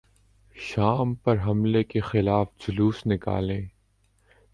شام پر حملے کیخلاف جلوس نکالیں